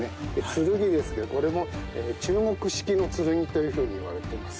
剣ですけどこれも中国式の剣というふうにいわれています。